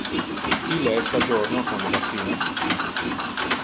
Ille es a jorno con le vaccinas?